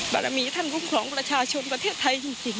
บารมีท่านคุ้มครองประชาชนประเทศไทยจริง